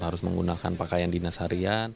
harus menggunakan pakaian dinas harian